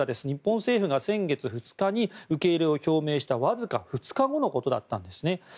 日本政府が先月２日に受け入れを表明したわずか２日後のことだったんですね。